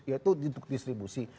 yaitu untuk distribusi